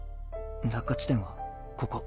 落下地点はここ。